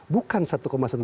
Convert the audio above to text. bukan satu satu triliun